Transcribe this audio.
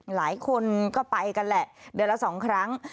หลายคนก็ไปกันแหละเดือนละ๒ครั้ง